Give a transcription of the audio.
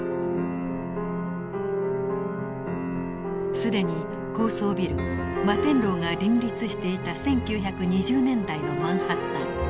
既に高層ビル摩天楼が林立していた１９２０年代のマンハッタン。